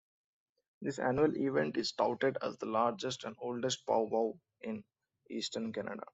This annual event is touted as the largest and oldest pow-wow in Eastern Canada.